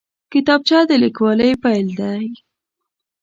کتابچه د لیکوالۍ پیل دی